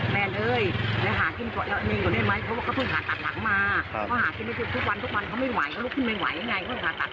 ไม่มีร้านแบบนั้นต้องล้างอีกครั้ง